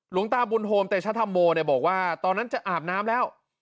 หลวงตาบุญโฮมเตชธรรมโมบอกว่าตอนนั้นจะอาบน้ำแล้ว